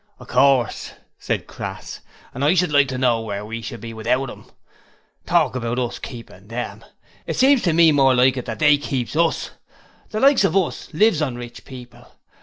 'Of course,' said Crass. 'And I should like to know where we should be without 'em! Talk about us keepin' them! It seems to me more like it that they keeps us! The likes of us lives on rich people.